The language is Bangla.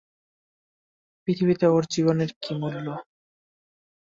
পৃথিবীতে ওর জীবনের কী মূল্য।